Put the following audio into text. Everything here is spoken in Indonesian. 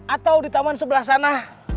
atau di taman sebelah sana